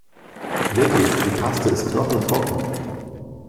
Wirklich, die Paste ist knochentrocken.